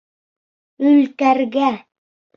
Өлкәргә!